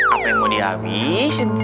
apa yang mau dihabisin